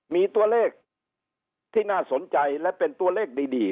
มีตัวเลขที่น่าสนใจและเป็นตัวเลขดี